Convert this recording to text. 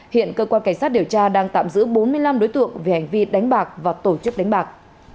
hiện cơ quan cảnh sát điều tra đang tạm giữ bốn mươi năm đối tượng về hành vi đánh bạc và tổ chức đánh bạc